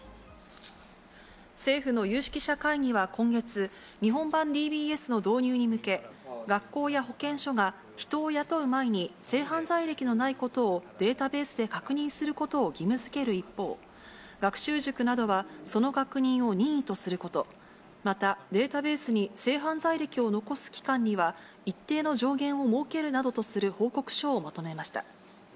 政府の有識者会議は今月、日本版ＤＢＳの導入に向け、学校や保健所が人を雇う前に性犯罪歴のないことをデータベースで確認することを義務づける一方、学習塾などは、その確認を任意とすること、また、データベースに性犯罪歴を残す期間には、一定の上限を設けるなどとする報告書をまとめました。